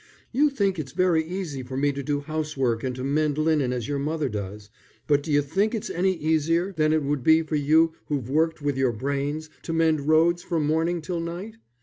You think it's very easy for me to do housework and to mend linen as your mother does, but d'you think it's any easier than it would be for you who've worked with your brains, to mend roads from morning till night?